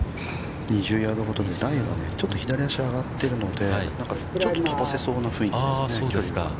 ◆２０ヤードほどで、ライはちょっと左足が上がっているので、ちょっと飛ばせそうな雰囲気ですね。